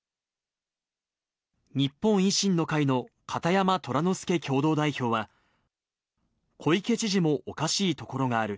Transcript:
日本維新の会の片山虎之助共同代表は、小池知事もおかしいところがある。